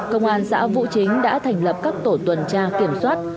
công an xã vũ chính đã thành lập các tổ tuần tra kiểm soát